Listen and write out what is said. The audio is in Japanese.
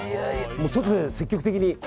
もう外で積極的に。